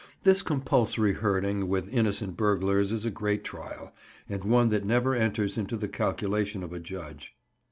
This compulsory herding with innocent burglars is a great trial, and one that never enters into the calculation of a judge.